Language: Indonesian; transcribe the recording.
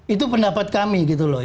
itu pendapat kami